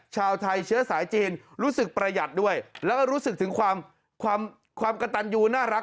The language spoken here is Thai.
ชาวไทยเชื้อสายจีนรู้สึกประหยัดด้วยแล้วก็รู้สึกถึงความกระตันยูน่ารัก